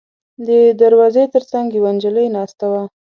د دروازې تر څنګ یوه نجلۍ ناسته وه.